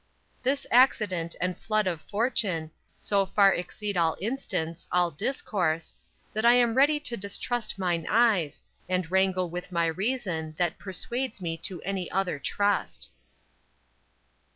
_"This accident and flood of Fortune So far exceed all instance, all discourse, That I am ready to distrust mine eyes And wrangle with my reason that Persuades me to any other trust."